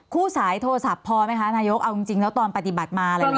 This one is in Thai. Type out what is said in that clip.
คู่สายโทรศัพท์พอไหมคะนายกเอาจริงแล้วตอนปฏิบัติมาอะไรอย่างนี้